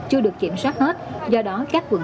chưa được kiểm soát hết do đó các quận